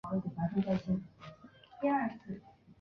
元朝末设有团练安辅劝农使来镇压农民起义。